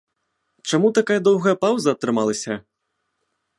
Чаму такая доўгая паўза атрымалася?